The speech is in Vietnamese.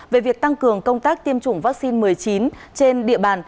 về việc tăng cường công tác tiêm chủng vaccine một mươi chín trên địa bàn